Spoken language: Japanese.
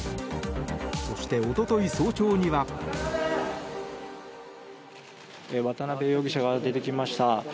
そして、一昨日早朝には。渡邉容疑者が出てきました。